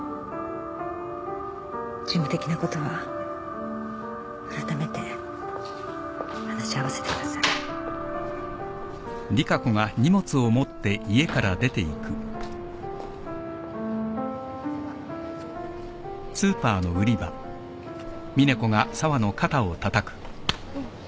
事務的なことはあらためて話し合わせてくださいうっ！？